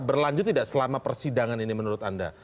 berlanjut tidak selama persidangan ini menurut anda